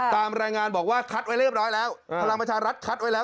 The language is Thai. ตามรายงานบอกว่าคัดไว้เรียบร้อยแล้วพลังประชารัฐคัดไว้แล้ว